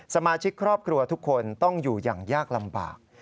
สมาชิกครอบครัวทุกคนต้องอยู่อย่างยากลำบาก